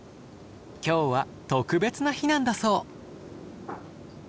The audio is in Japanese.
今日は特別な日なんだそう。